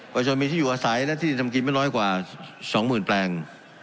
ประชาชนมีที่อยู่อาศัยและที่ทำกินไม่น้อยกว่า๒๐๐๐แปลง